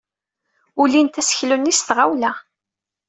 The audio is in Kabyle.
Ulint aseklu-nni s tɣawla.